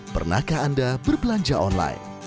pernahkah anda berbelanja online